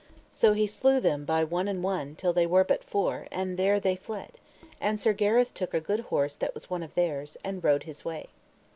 So he slew them by one and one till they were but four, and there they fled; and Sir Gareth took a good horse that was one of theirs, and rode his way.